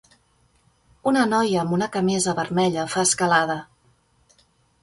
Una noia amb una camisa vermella fa escalada